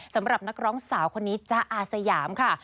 สำหรับนักร้องสาวคนนี้จ๊ะอาสยามค่ะ